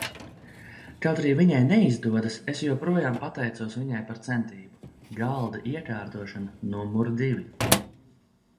Kaut arī viņai neizdodas, es joprojām pateicos viņai par centību. Galda iekārtošana numur divi!